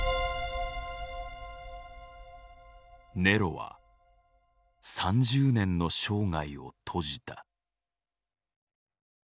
ネロは３０年の生涯を閉じた。